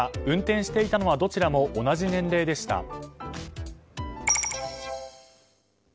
運転していたのはどちらも同じ年齢でした。